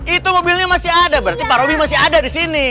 itu mobilnya masih ada berarti pak roby masih ada di sini